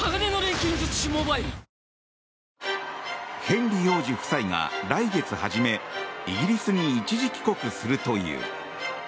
ヘンリー王子夫妻が来月初めイギリスに一時帰国するという。